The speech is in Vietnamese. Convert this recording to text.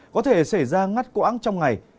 có thể xảy ra ngắt quãng trong ngày